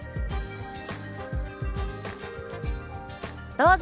どうぞ。